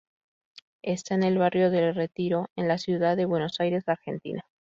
Está en el barrio de Retiro, en la ciudad de Buenos Aires, Argentina.